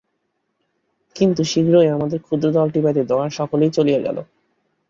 কিন্তু শীঘ্রই আমাদের ক্ষুদ্র দলটি ব্যতীত আর সকলে চলিয়া গেল।